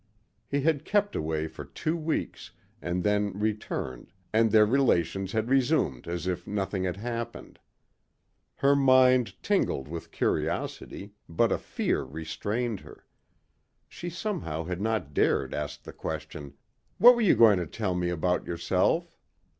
He had kept away for two weeks and then returned and their relations had resumed as if nothing had happened. Her mind tingled with curiosity but a fear restrained her. She somehow had not dared ask the question, "What were you going to tell me about yourself."